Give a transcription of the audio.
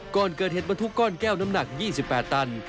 ก่อนเกิดเหตุบรรทุกก้อนแก้วน้ำหนัก๒๘ตัน